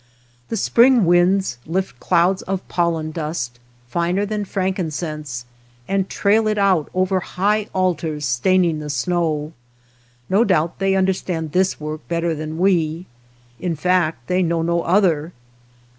The spring winds lift clouds of pollen dust, finer than frankincense, and trail it out over high altars, staining the snow. No doubt they understand this work better than we ; in fact they know no other.